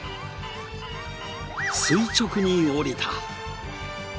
垂直に下りた。